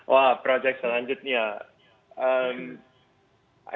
wah projek selanjutnya